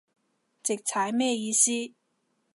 直踩咩意思